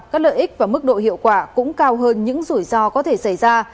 các lợi ích và mức độ hiệu quả cũng cao hơn những rủi ro có thể xảy ra